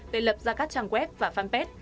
để lập ra các trang web và fanpage